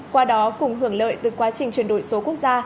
qua đó cùng hưởng lợi từ quá trình chuyển đổi số quốc gia